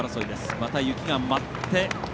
また雪が舞って。